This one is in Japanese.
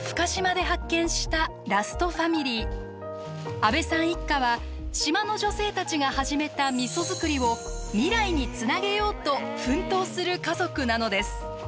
安部さん一家は島の女性たちが始めたみそ造りを未来につなげようと奮闘する家族なのです。